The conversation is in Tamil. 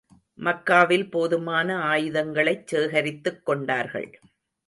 மக்காவில் போதுமான ஆயுதங்களைச் சேகரித்துக் கொண்டார்கள்.